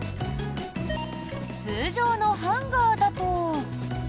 通常のハンガーだと。